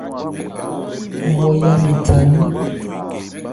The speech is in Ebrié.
Nmɔya 'le tha nnán.